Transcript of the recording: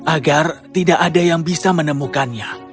agar tidak ada yang bisa menemukannya